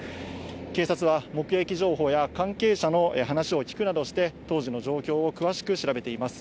警察は、目撃情報や関係者の話を聞くなどして、当時の状況を詳しく調べています。